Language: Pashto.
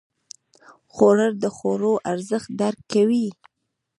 خوړل د خوړو ارزښت درک کوي